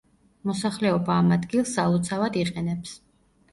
მოსახლეობა ამ ადგილს სალოცავად იყენებს.